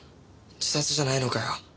自殺じゃないのかよ。